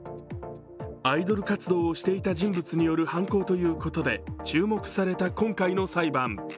アイドル活動をしていた人物による犯行ということで注目された今回の裁判。